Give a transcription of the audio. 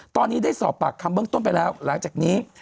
ตอนนี้ได้สอบปากคำเบื้องต้นไปแล้วหลังจากนี้